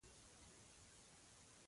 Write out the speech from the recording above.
اوسني حکومت مدافعین ټول وایي.